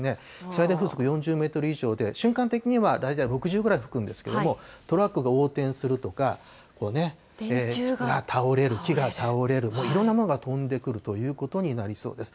最大風速４０メートル以上で、瞬間的には大体６０ぐらい吹くんですけれども、トラックが横転するとか、こうね、電柱が倒れる、木が倒れる、いろんなものが飛んでくるということになりそうです。